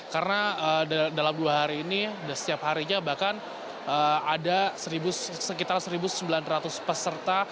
karena dalam dua hari ini setiap harinya bahkan ada sekitar satu sembilan ratus peserta